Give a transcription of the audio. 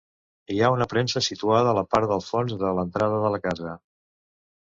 Hi ha una premsa situada a la part del fons de l'entrada de la casa.